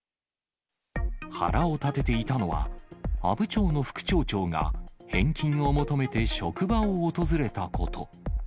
腹を立てていたのは、阿武町の副町長が、返金を求めて職場を訪れたこと。